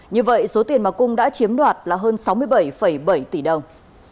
như vậy số tiền mà cung đã chiếm đoạt là hơn sáu mươi bảy bảy tỷ đồng